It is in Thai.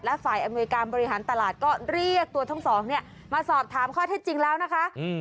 และฝ่ายอำนวยการบริหารตลาดก็เรียกตัวทั้งสองเนี่ยมาสอบถามข้อเท็จจริงแล้วนะคะ